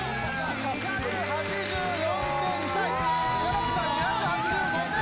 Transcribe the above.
２８４点対ギャロップさん２８５点。